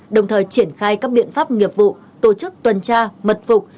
đồng thời triển khai các biện pháp nghiệp vụ tổ chức tuần tra mật phục